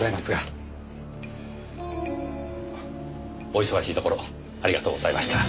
お忙しいところありがとうございました。